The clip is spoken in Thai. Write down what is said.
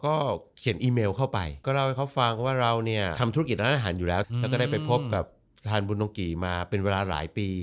ก็เขียนอีเมลเข้าไปก็เล่าให้เขาฟังว่าเราเนี่ยทำธุรกิจร้านอาหารอยู่แล้วแล้วก็ได้ไปพบกับทานบุโนกิมาเป็นเวลาหลายปี